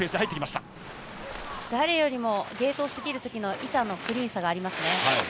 誰よりもゲートを過ぎるときの板のクリーンさがありますね。